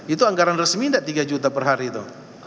itu anggaran resmi tidak tiga juta per hari itu